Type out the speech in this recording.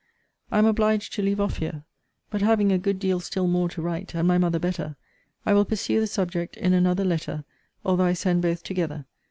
I am obliged to leave off here. But having a good deal still more to write, and my mother better, I will pursue the subject in another letter, although I send both together.